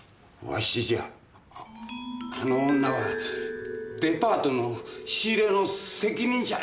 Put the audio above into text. あの女は「デパートの仕入れの責任者や」